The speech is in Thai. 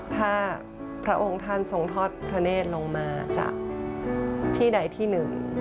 ถ้าพระองค์ท่านทรงทอดพระเนธลงมาจากที่ใดที่หนึ่ง